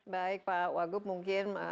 baik pak wagup mungkin